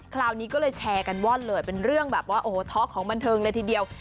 คราวนี้ก็เลยแชร์กันว่อนเลยเป็นเรื่องแบบว่าโอ้โหท็อกของบันเทิงเลยทีเดียว